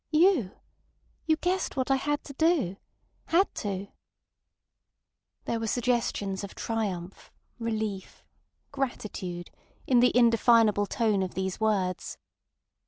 "You! You guessed what I had to do. Had to!" There were suggestions of triumph, relief, gratitude in the indefinable tone of these words.